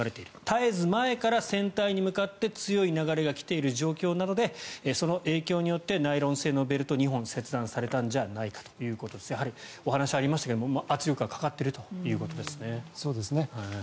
絶えず前から船体に向かって強い流れが来ている状況なのでその影響によってナイロン製のベルト２本が切断されたんじゃないかということですがやはりお話にありましたが圧力がかかっていると。